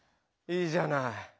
いいじゃない！